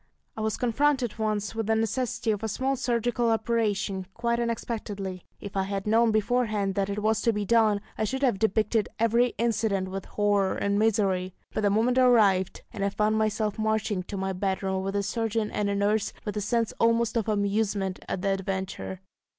I was confronted once with the necessity of a small surgical operation, quite unexpectedly. If I had known beforehand that it was to be done, I should have depicted every incident with horror and misery. But the moment arrived, and I found myself marching to my bedroom with a surgeon and a nurse, with a sense almost of amusement at the adventure.